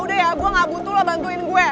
udah ya gue gak butuh lo bantuin gue